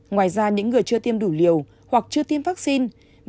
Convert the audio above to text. ngoài ra những người chưa tiêm đủ liều hoặc chưa tiêm vaccine